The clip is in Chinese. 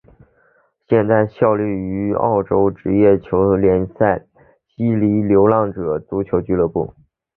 现在效力于澳洲职业足球联赛的西雪梨流浪者足球俱乐部。